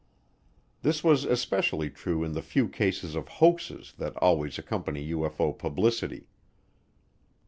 This was especially true in the few cases of hoaxes that always accompany UFO publicity.